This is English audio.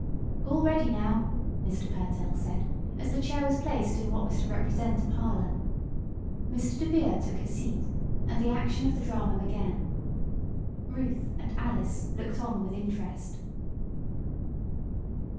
"All ready, now!" Mr. Pertell said, as the chair was placed in what was to represent a parlor. Mr. DeVere took his seat, and the action of the drama began. Ruth and Alice looked on with interest.